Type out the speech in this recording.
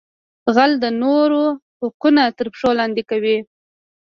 غل د نورو حقونه تر پښو لاندې کوي